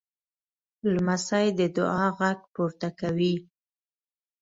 لمسی د دعا غږ پورته کوي.